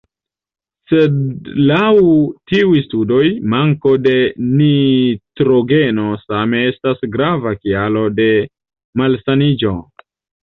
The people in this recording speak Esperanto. Sed laŭ tiuj studoj, manko de nitrogeno same estas grava kialo de malsaniĝo.